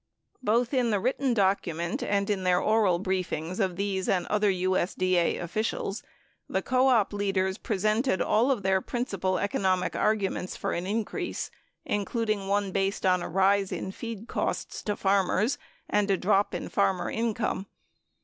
4 Both in the written document and in their oral briefings of these and other USD A officials, the co op leaders pre sented all their principal economic arguments for an increase including one based on a rise in feed costs to farmers and a drop in farmer in come.